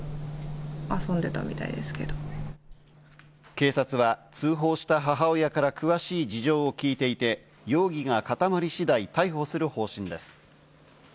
警察は通報した母親から詳しい事情を聞いていて、容疑が固まり次第、逮捕する方針です。